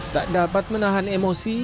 tak dapat menahan emosi